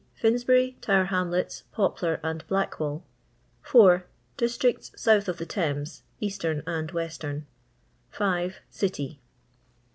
Finsbury, Tower Hamlets, Poplar, and BUckwall. 4. Districts south of the Thames, Bastem and Western. 5. City.